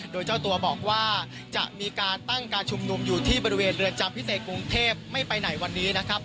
โดยเจ้าตัวบอกว่าจะมีการตั้งการชุมนุมอยู่ที่บริเวณเรือนจำพิเศษกรุงเทพไม่ไปไหนวันนี้นะครับ